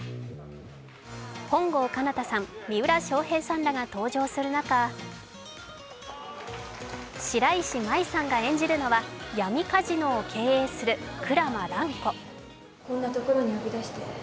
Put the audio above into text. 本郷奏多さん、三浦翔平さんらが登場する中白石麻衣さんが演じるのは闇カジノを経営する鞍馬蘭子。